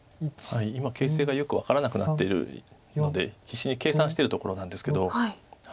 今形勢がよく分からなくなってるので必死に計算してるところなんですけど。